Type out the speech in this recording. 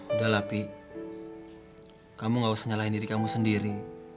udah lapi kamu gak usah nyalahin diri kamu sendiri